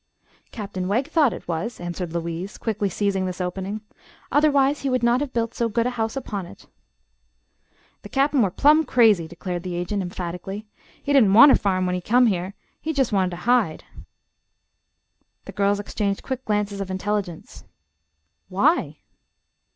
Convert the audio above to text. "Captain Wegg thought it was," answered Louise, quickly seizing this opening. "Otherwise he would not have built so good a house upon it." "The Cap'n were plumb crazy," declared the agent, emphatically. "He didn't want ter farm when he come here; he jest wanted to hide." The girls exchanged quick glances of intelligence. "Why?"